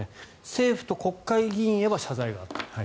政府と国会議員へは謝罪があった。